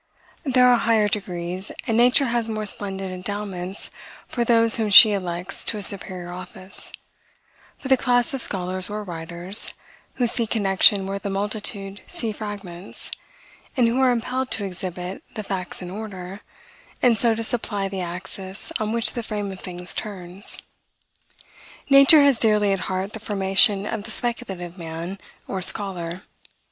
There are higher degrees, and nature has more splendid endowments for those whom she elects to a superior office; for the class of scholars or writers, who see connection where the multitude see fragments, and who are impelled to exhibit the facts in order, and so to supply the axis on which the frame of things turns. Nature has dearly at heart the formation of the speculative man, or scholar.